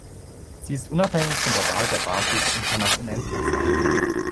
Sie ist unabhängig von der Wahl der Basis und kann auch unendlich sein.